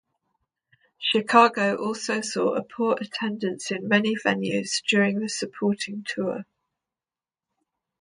Chicago also saw a poor attendance in many venues during the supporting tour.